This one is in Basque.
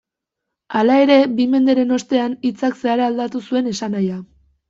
Hala ere, bi menderen ostean, hitzak zeharo aldatu zuen esanahia.